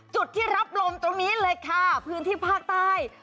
จุดที่รับลมตรงนี้เลยค่ะพื้นที่ภาคใต้